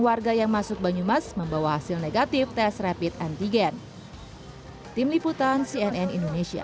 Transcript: warga yang masuk banyumas membawa hasil negatif tes rapid antigen tim liputan cnn indonesia